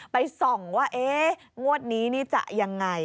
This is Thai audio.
ไปส่องว่าเอ๊ะงวดนี้นี่จะยังไง